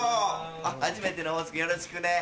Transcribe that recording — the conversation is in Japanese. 初めての大津君よろしくね。